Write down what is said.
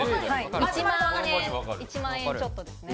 １万円ちょっとですね。